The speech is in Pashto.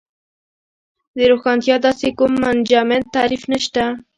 د روښانتیا داسې کوم منجمد تعریف نشته.